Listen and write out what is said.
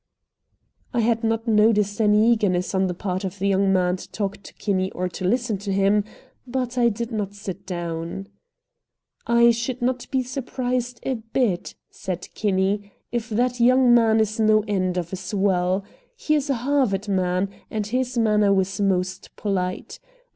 I had not noticed any eagerness on the part of the young man to talk to Kinney or to listen to him, but I did not sit down. "I should not be surprised a bit," said Kinney, "if that young man is no end of a swell. He is a Harvard man, and his manner was most polite.